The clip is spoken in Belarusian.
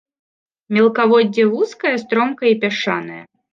Мелкаводдзе вузкае, стромкае і пясчанае.